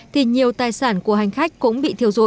thì nhiều tài sản của hành khách cũng bị thiêu rụi